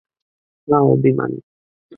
হাঁ, অভিমান।